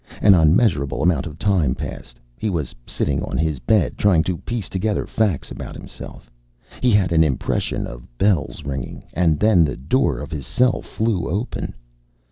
An unmeasurable amount of time passed. He was sitting on his bed, trying to piece together facts about himself. He had an impression of bells ringing. And then the door of his cell flew open.